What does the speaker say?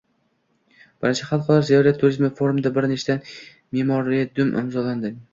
Birinchi Xalqaro ziyorat turizmi forumida bir nechta memorandum imzolandi